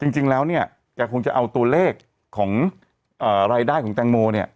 จริงแล้วเนี่ยแกคงจะเอาตัวเลขของรายได้ของแตงโมเนี่ย